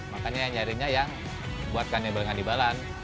makanya nyarinya yang buat kandimbal kandimbalan